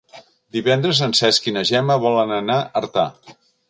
Divendres en Cesc i na Gemma volen anar a Artà.